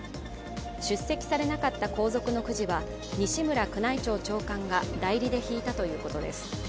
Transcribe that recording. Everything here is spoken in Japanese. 出席されなかった皇族のくじは西村宮内庁長官が代理で引いたということです